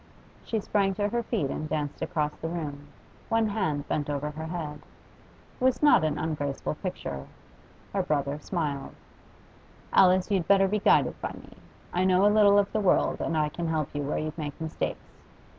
She sprang to her feet and danced across the room, one hand bent over her head. It was not an ungraceful picture. Her brother smiled. 'Alice, you'd better be guided by me. I know a little of the world, and I can help you where you'd make mistakes.